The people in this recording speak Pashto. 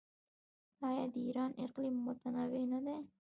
آیا د ایران اقلیم متنوع نه دی؟